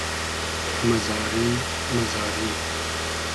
مئزاری مئزاری